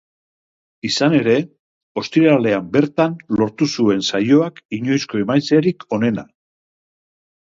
Izan ere, ostiralean bertan lortu zuen saioak inoizko emaitzarik onena.